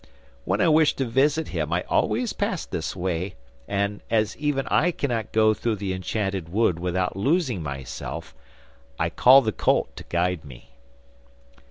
When I wish to visit him I always pass this way, and as even I cannot go through the enchanted wood without losing myself, I call the colt to guide me.